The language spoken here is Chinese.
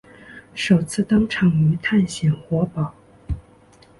首次登场于探险活宝。